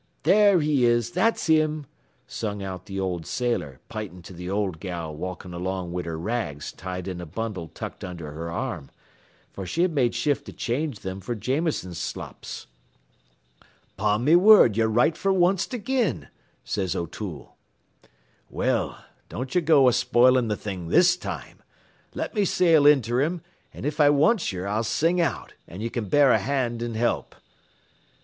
"'There he is. That's him,' sung out the old sailor, pintin' to th' old gal walkin' along wid her rags tied in a bundle tucked under her arm, fer she had made shift to change thim fer Jameson's slops. "''Pon me whurd, ye're right fer onct agin,' says O'Toole. "'Well, don't go a spoilin' th' thing this time. Let me sail inter him, an' if I wants yer, I'll sing out, an' ye can bear a hand an' help.'